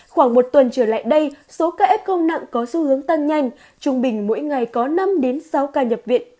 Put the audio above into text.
khoảng một tuần trở lại đây số ca f công nặng có xu hướng tăng nhanh trung bình mỗi ngày có năm sáu ca nhập viện